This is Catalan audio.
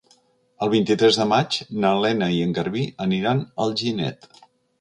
El vint-i-tres de maig na Lena i en Garbí aniran a Alginet.